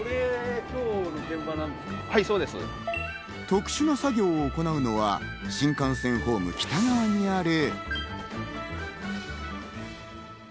特殊な作業を行うのは、新幹線ホーム北側にある。